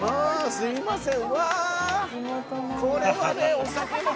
すいません。